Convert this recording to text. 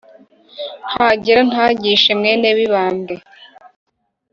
ntagera, ntagishe mwene mibambwe